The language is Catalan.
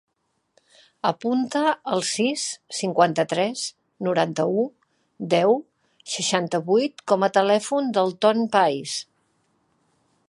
Apunta el sis, cinquanta-tres, noranta-u, deu, seixanta-vuit com a telèfon del Ton Pais.